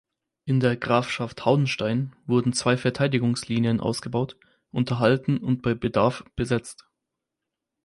In der "Grafschaft Hauenstein" wurden zwei Verteidigungslinien ausgebaut, unterhalten und bei Bedarf besetzt.